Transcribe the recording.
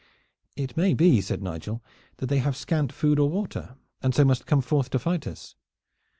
"It may be," said Nigel, "that they have scant food or water, and so must come forth to fight us."